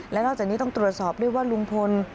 และนอกจากนี้ต้องตรวจสอบด้วยว่าลุงพล